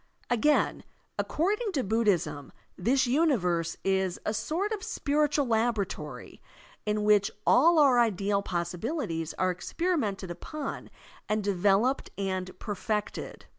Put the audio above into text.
Again, according to Buddhisna, this universe is a sort of spiritual laboratory, in which all our ideal possibilities are experimented upon and Digitized by Google IMMORTALITY 6 1 developed and perfected.